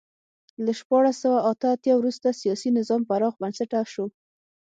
له شپاړس سوه اته اتیا وروسته سیاسي نظام پراخ بنسټه شو.